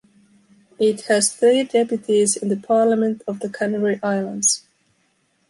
It has three deputies in the Parliament of the Canary Islands.